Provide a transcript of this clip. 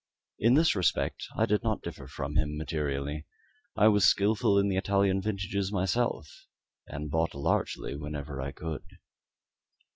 In this respect I did not differ from him materially: I was skillful in the Italian vintages myself, and bought largely whenever I could.